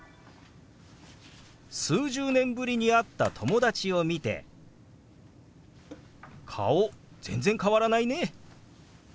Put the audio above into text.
数十年ぶりに会った友達を見て「顔全然変わらないね」。